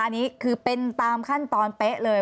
อันนี้คือเป็นตามขั้นตอนเป๊ะเลย